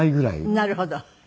なるほど。